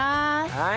はい。